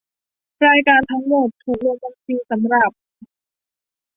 รายการทั้งหมดถูกลงบัญชีสำหรับ